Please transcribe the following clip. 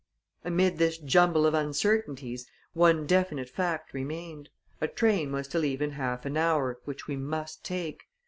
Amid this jumble of uncertainties, one definite fact remained a train was to leave in half an hour, which we must take.